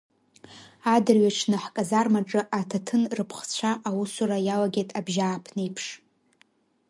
Адырҩаҽны ҳказармаҿы аҭаҭын рыԥхцәа аусура иалагеит абжьааԥнеиԥш.